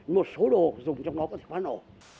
một số đồ dùng trong đó có thể phá nổ